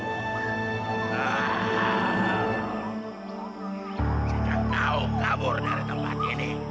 jika kau kabur dari tempat ini